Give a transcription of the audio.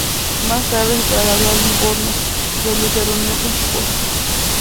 Más tarde se trasladó a Livorno, donde se reunió con su esposa.